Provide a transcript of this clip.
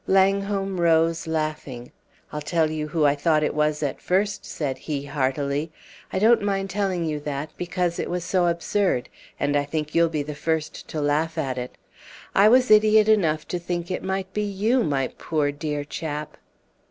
Langholm rose, laughing. "I'll tell you who I thought it was at first," said he, heartily. "I don't mind telling you that, because it was so absurd; and I think you'll be the first to laugh at it. I was idiot enough to think it might be you, my poor, dear chap!"